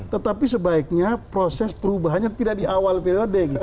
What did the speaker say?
tetapi sebaiknya proses perubahannya tidak di awal periode gitu